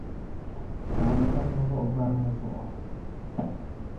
Taali ka ninvuɣu gbarima zuɣu.